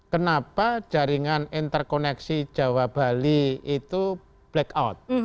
kenapa jaringan interkoneksi jawa bali itu black out